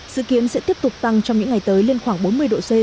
sự kiến sẽ tiếp tục tăng trong những ngày tới